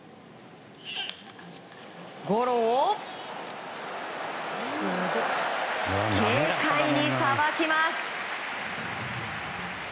ゴロを軽快にさばきます。